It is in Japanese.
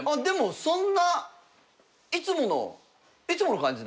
でもそんないつもの感じだね